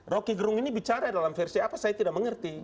roky gerung ini bicara dalam versi apa saya tidak mengerti